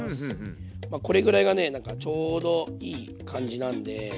まあこれぐらいがねなんかちょうどいい感じなんで。